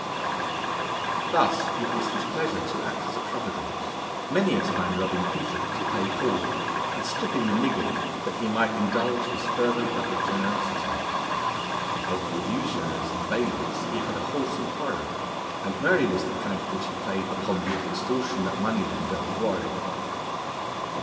Thus it was his pleasure to act as a providence, many a time robbing Peter to pay Paul, and stripping the niggard that he might indulge his fervent love of generosity. Of all usurers and bailiffs he had a wholesome horror, and merry was the prank which he played upon the extortionate money lender of Warwick.